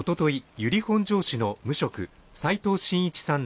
由利本荘市の無職齋藤真一さん